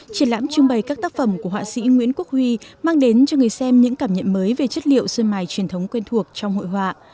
triển lãm trưng bày các tác phẩm của họa sĩ nguyễn quốc huy mang đến cho người xem những cảm nhận mới về chất liệu sơn mài truyền thống quen thuộc trong hội họa